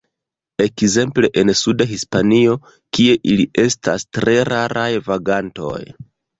Ekzemple en suda Hispanio, kie ili estas tre raraj vagantoj.